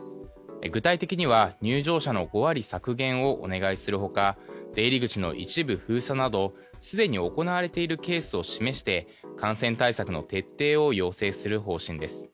具体的には入場者の５割削減をお願いするほか出入り口の一部封鎖などすでに行われいるケースを示して感染対策の徹底を要請する方針です。